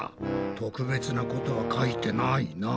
特別なことは書いてないな。